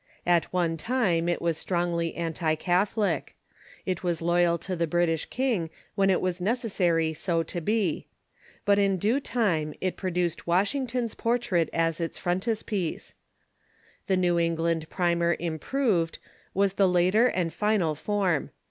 At one time it was strongly anti Catholic. It was loyal to the British king when it was nec essary so to be. But in due time it produced Washing New England ton's jiortrait as its frontispiece. The "New Eng Primer land Primer Improved" was the later and final form.